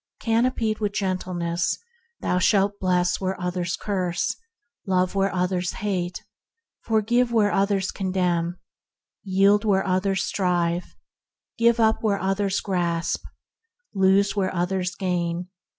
Canopied with gentleness, thou shalt bless and never curse, love and never hate, forgive and never condemn, yield where others strive, give up where others grasp, lose where others gain.